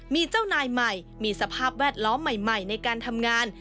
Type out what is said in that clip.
มีเจ้านายใหม่มีสภาพแวดล้อมใหม่ในการทำงาน